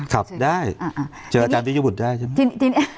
ครับได้เจออาจารย์ปริยบุตรได้ใช่ไหม